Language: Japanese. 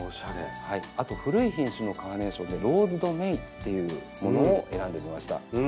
あと古い品種のカーネーションで「ローズドメイ」っていうものを選んでみました。